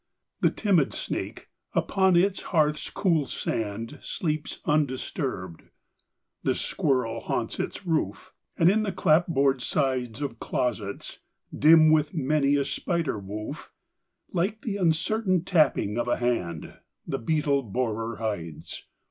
The timid snake upon its hearth's cool sand Sleeps undisturbed; the squirrel haunts its roof; And in the clapboard sides Of closets, dim with many a spider woof, Like the uncertain tapping of a hand, The beetle borer hides.